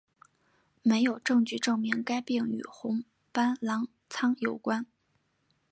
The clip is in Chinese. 没有证据证明该病和红斑狼疮有关。